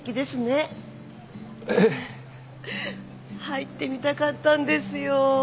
入ってみたかったんですよ。